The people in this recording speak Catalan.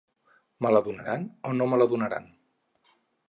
Me la donaran o no me la donaran.